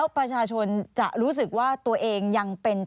จะไม่ได้มาในสมัยการเลือกตั้งครั้งนี้แน่